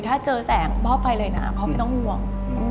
ถ้าเจอแสงพ่อไปเลยนะพ่อไม่ต้องห่วง